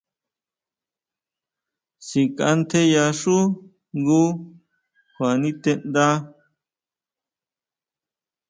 Síkʼantjeyaxú jngu kjua niteʼnda.